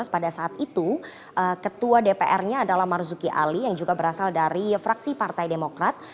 pada saat itu ketua dpr nya adalah marzuki ali yang juga berasal dari fraksi partai demokrat